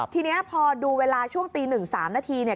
ทีนี้พอดูเวลาช่วงตีหนึ่งสามนาที